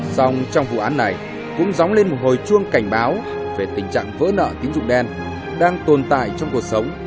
xong trong vụ án này cũng dóng lên một hồi chuông cảnh báo về tình trạng vỡ nợ tín dụng đen đang tồn tại trong cuộc sống